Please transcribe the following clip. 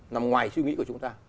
nằm ngoài suy nghĩ của chúng ta